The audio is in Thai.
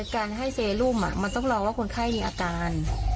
การให้เซรุมมันต้องรอว่าคนไข้มีอาการ